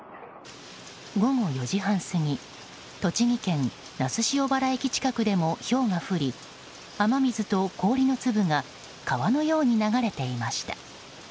午後４時半過ぎ栃木県那須塩原駅近くでもひょうが降り、雨水と氷の粒が川のように流れていました。